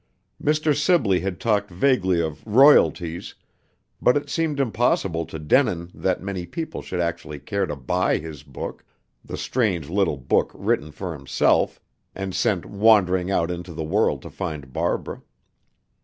Mr. Sibley had talked vaguely of "royalties," but it seemed impossible to Denin that many people should actually care to buy his book the strange little book written for himself, and sent wandering out into the world to find Barbara.